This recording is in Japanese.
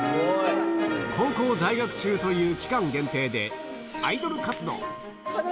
高校在学中という期間限定で、アイドル活動。